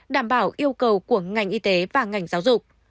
đảm bảo yêu cầu của ngành y tế và ngành giáo dục